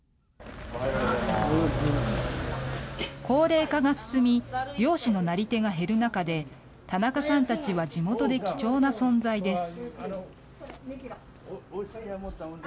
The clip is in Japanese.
高齢化が進み、漁師のなり手が減る中で、田中さんたちは地元で貴重な存在です。